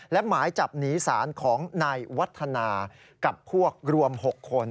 และหมายจับหนีสารของนายวัฒนากับพวกรวม๖คน